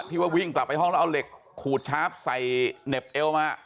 ที่ว่าวิ่งกลับไปห้องแล้วเอาเหล็กขูดชาร์ฟใส่เหน็บเอวมา